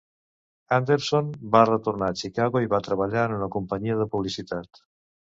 Anderson va retornar a Chicago i va treballar en una companyia de publicitat.